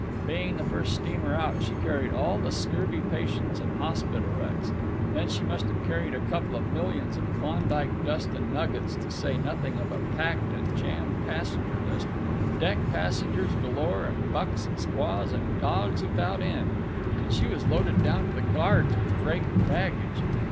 Being the first steamer out, she carried all the scurvy patients and hospital wrecks. Then she must have carried a couple of millions of Klondike dust and nuggets, to say nothing of a packed and jammed passenger list, deck passengers galore, and bucks and squaws and dogs without end. And she was loaded down to the guards with freight and baggage.